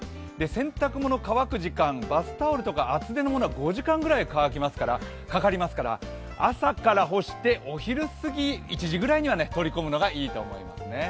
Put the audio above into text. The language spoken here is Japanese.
洗濯物が乾く時間、バスタオルとか厚手のものは５時間ぐらいかかりますから朝から干してお昼過ぎ、１時ぐらいには、取り込むのがいいと思いますね。